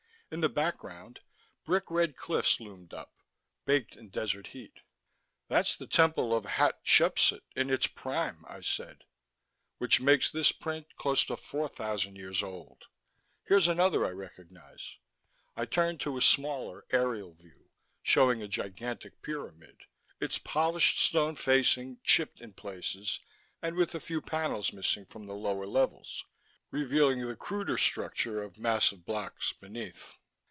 In the background, brick red cliffs loomed up, baked in desert heat. "That's the temple of Hat Shepsut in its prime," I said. "Which makes this print close to four thousand years old. Here's another I recognize." I turned to a smaller, aerial view, showing a gigantic pyramid, its polished stone facing chipped in places and with a few panels missing from the lower levels, revealing the cruder structure of massive blocks beneath.